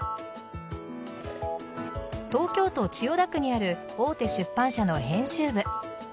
東京都千代田区にある大手出版社の編集部。